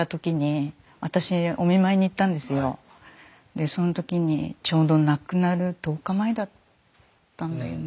でその時にちょうど亡くなる１０日前だったんだよね。